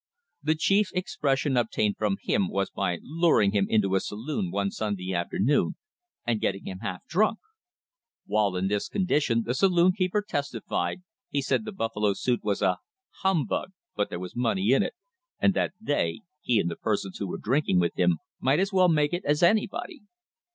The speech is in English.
The chief expression obtained from him was by luring him into a saloon one Sunday afternoon and getting him half drunk. While in this condition, the saloon keeper testified, he said the Buffalo suit was a humbug, but there was money in it and that they (he and the persons who were drinking with him) might as well make it as anybody.